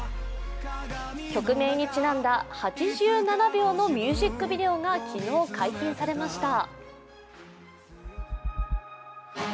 曲名にちなんだ８７秒のミュージックビデオが昨日解禁されました。